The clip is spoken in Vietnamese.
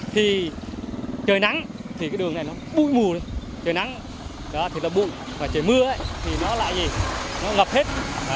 thì trời nắng thì cái đường này nó bụi mùi trời nắng đó thì nó bụi và trời mưa ấy thì nó lại gì nó ngập hết